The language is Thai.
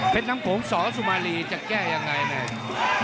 เพชรน้ำโขงสสุมารีจะแก้อย่างไรนะ